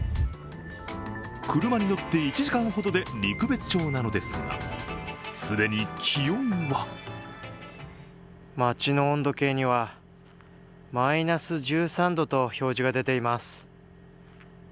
車に乗って、１時間ほどで陸別町なのですが既に気温は町の温度計にはマイナス１３度と表示が出ています。